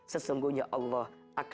sesungguhnya allah akan memperbaiki kita